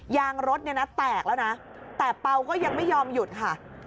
ยางรถเนี่ยนะแตกแล้วนะแต่เปล่าก็ยังไม่ยอมหยุดค่ะ